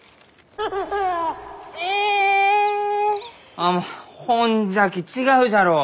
あもうほんじゃき違うじゃろう？